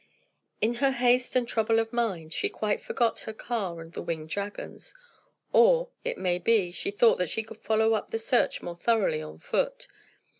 In her haste and trouble of mind, she quite forgot her car and the winged dragons; or, it may be, she thought that she could follow up the search more thoroughly on foot.